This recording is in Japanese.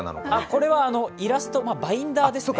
これはイラスト、バインダーですね。